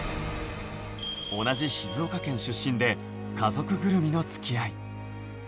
同じ静岡県出身で、家族ぐるみのつきあい。